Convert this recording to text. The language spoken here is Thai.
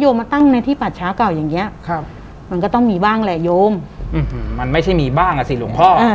โยมมาตั้งในที่ปัชชาเก่าอย่างนี้มันก็ต้องมีบ้างแหละโยมมันไม่ใช่มีบ้างอ่ะสิหลวงพ่อ